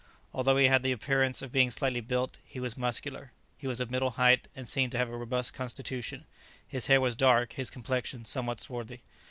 Although he had the appearance of being slightly built, he was muscular; he was of middle height, and seemed to have a robust constitution; his hair was dark, his complexion somewhat swarthy.